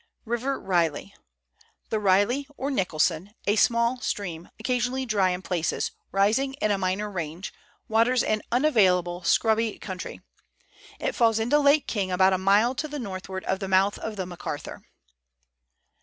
RIVER RILEY. The Riley, or Nicholson, a small stream, occasionally dry in places, rising in a minor range, waters an unavailable scrubby Letters from Victorian Pioneers, 197 country. It falls into Lake King, about a mile to the northward of the mouth of the Macarthur.